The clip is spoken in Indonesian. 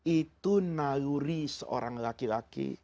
itu naluri seorang laki laki